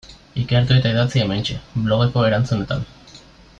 Ikertu eta idatzi hementxe, blogeko erantzunetan.